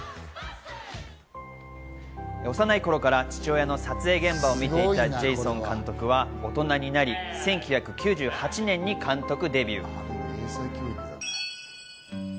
幼い頃から父親の撮影現場を見に行っていたジェイソン監督は大人になり、１９９８年に監督デビュー。